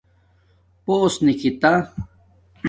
پݸس نکھتہ